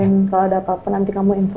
yang kalau ada apa apa nanti kamu info